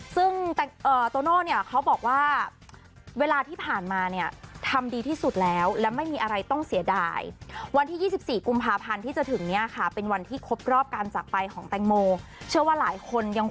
ซึ่งโตโน่เนี่ยเขาบอกว่าเวลาที่ผ่านมาเนี่ยทำดีที่สุดแล้วและไม่มีอะไรต้องเสียดาย